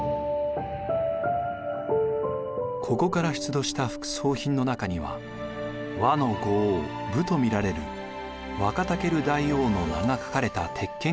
ここから出土した副葬品の中には倭の五王武と見られるワカタケル大王の名が書かれた鉄剣があります。